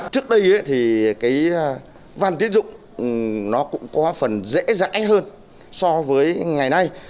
trước đây thì cái văn tín dụng nó cũng có phần dễ dãi hơn so với ngày nay